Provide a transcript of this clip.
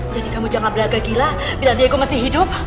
jadi kamu jangan beragak gila bila dago masih hidup